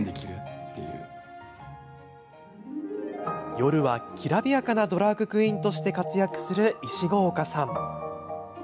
夜は、きらびやかなドラァグクイーンとして活躍する石郷岡さん。